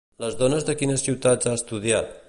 Les dones de quines ciutats ha estudiat?